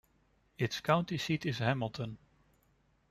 Its county seat is Hamilton.